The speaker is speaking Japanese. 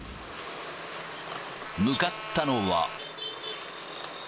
向かったのは。